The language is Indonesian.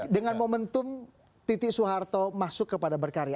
dengan momentum titik soeharto masuk kepada berkarya